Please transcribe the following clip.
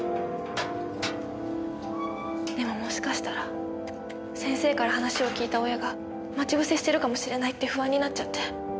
でももしかしたら先生から話を聞いた親が待ち伏せしてるかもしれないって不安になっちゃって。